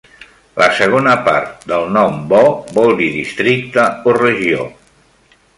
La segona part del nom, "-bo", vol dir districte o regió.